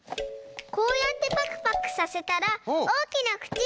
こうやってパクパクさせたらおおきなくちになりそう！